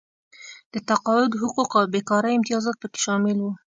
د تقاعد حقوق او بېکارۍ امتیازات پکې شامل وو.